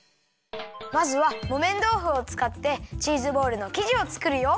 まずはもめんどうふをつかってチーズボールのきじをつくるよ。